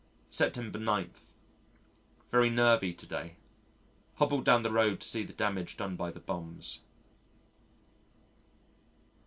September 9. Very nervy to day. Hobbled down the road to see the damage done by the bombs.